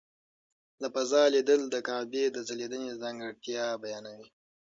له فضا لیدل د کعبې د ځلېدنې ځانګړتیا بیانوي.